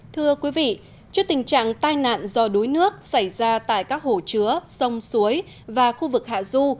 thưa quý vị trước tình trạng tai nạn do đuối nước xảy ra tại các hồ chứa sông suối và khu vực hạ du